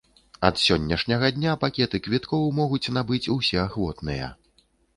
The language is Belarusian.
Ад сённяшняга дня пакеты квіткоў могуць набыць усе ахвотныя.